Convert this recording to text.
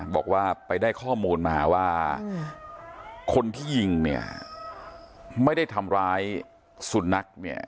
บอกว่าไปได้ข้อมูลมาว่าคนที่ยิงเนี่ยไม่ได้ทำร้ายสุนัขเนี่ย